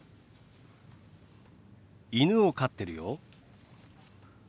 犬を飼ってるよ。